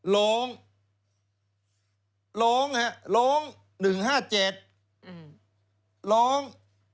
ลง๑๕๗